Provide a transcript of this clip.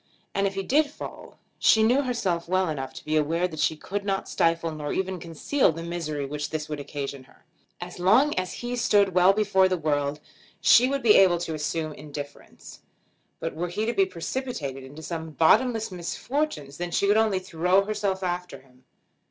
And if he did fall, she knew herself well enough to be aware that she could not stifle, nor even conceal, the misery which this would occasion her. As long as he stood well before the world she would be well able to assume indifference. But were he to be precipitated into some bottomless misfortunes then she could only throw herself after him.